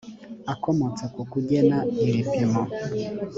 akomotse ku kugena ibipimo